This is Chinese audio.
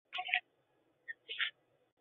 后汉时河中府为牙校。